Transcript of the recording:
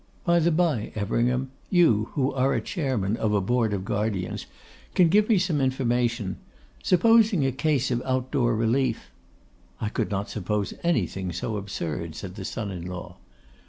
By the bye, Everingham, you, who are a Chairman of a Board of Guardians, can give me some information. Supposing a case of out door relief ' 'I could not suppose anything so absurd,' said the son in law.